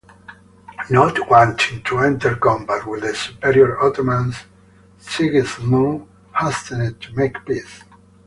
Not wanting to enter combat with the superior Ottomans, Sigismund hastened to make peace.